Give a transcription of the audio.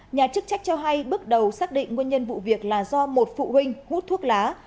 nhà chức trách cho hay bước đầu xác định nguyên nhân vụ việc là do một phụ huynh hút thuốc lá